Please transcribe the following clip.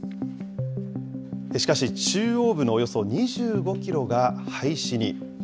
しかし、中央部のおよそ２５キロが廃止に。